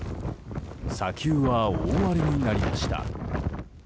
砂丘は大荒れになりました。